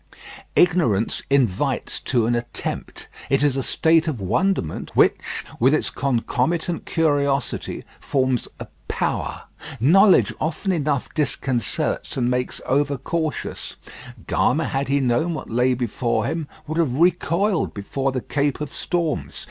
Ignorance invites to an attempt. It is a state of wonderment, which, with its concomitant curiosity, forms a power. Knowledge often enough disconcerts and makes over cautious. Gama, had he known what lay before him, would have recoiled before the Cape of Storms.